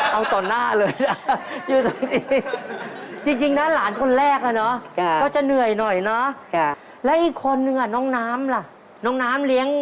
เอาต่อหน้าเลยนะอยู่ตรงนี้